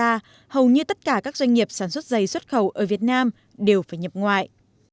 và hầu như tất cả các doanh nghiệp sản xuất dày xuất khẩu ở việt nam đều phải nhập ngoại